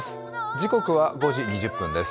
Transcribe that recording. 時刻は５時２０分です。